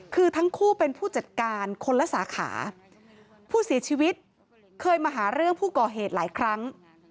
คือทั้งคู่เป็นผู้จัดการคนละสาขาผู้เสียชีวิตเคยมาหาเรื่องผู้ก่อเหตุหลายครั้ง